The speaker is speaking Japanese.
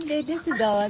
どうぞ。